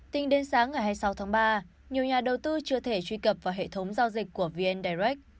tính đến sáng ngày hai mươi sáu tháng ba nhiều nhà đầu tư chưa thể truy cập vào hệ thống giao dịch của vn direct